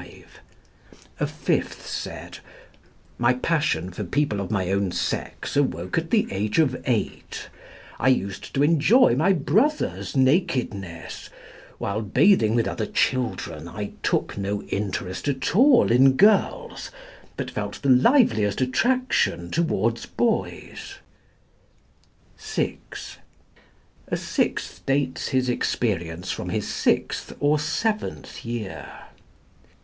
(5) A fifth said: "My passion for people of my own sex awoke at the age of eight. I used to enjoy my brother's nakedness; while bathing with other children, I took no interest at all in girls, but felt the liveliest attraction toward boys." (6) A sixth dates his experience from his sixth or seventh year.